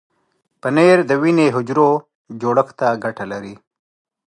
پنېر د وینې حجرو جوړښت ته ګټه لري.